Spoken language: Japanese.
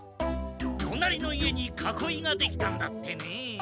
「となりのいえにかこいができたんだってねえ」。